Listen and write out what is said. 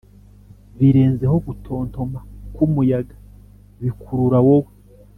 birenzeho gutontoma kwumuyaga bikurura wowe